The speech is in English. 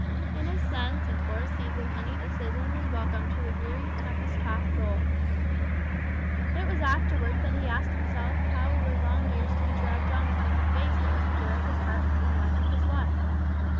In a sense and for a season any decision was welcome to the weary, tempest tossed soul. It was afterwards that he asked himself how were long years to be dragged on without the face that was the joy of his heart and the life of his life?